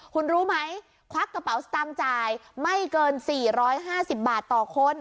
คุณรู้ไหมควักกระเป๋าสตางค์จ่ายไม่เกิน๔๕๐บาทต่อคน